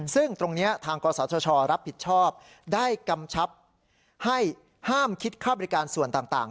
ซึ่งตรงนี้ทางกศชรับผิดชอบได้กำชับให้ห้ามคิดค่าบริการส่วนต่าง